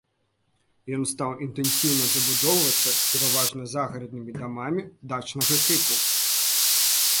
Ён стаў інтэнсіўна забудоўвацца, пераважна загараднымі дамамі дачнага тыпу.